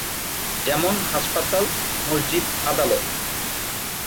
যেমন, হাসপাতাল, মসজিদ, আদালত।